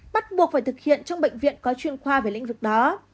bắt buộc phải thực hiện trong bệnh viện có chuyên khoa về lĩnh vực đó